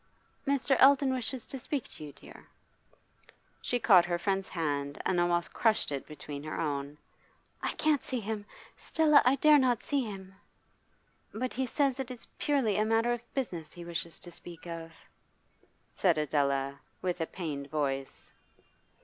'Mr. Eldon wishes to speak to you, dear.' She caught her friend's hand and almost crushed it between her own. 'I can't see him! Stella, I dare not see him!' 'But he says it is purely a matter of business he wishes to speak of,' said Stella with a pained voice.